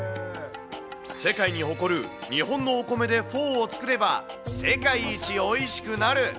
世界に誇る日本のお米でフォーを作れば、世界一おいしくなる。